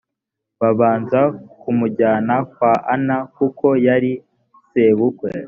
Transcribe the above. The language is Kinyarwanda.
babanza kumujyana kwa ana kuko yari sebukwe